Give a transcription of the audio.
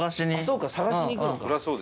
そうか探しに行くのか。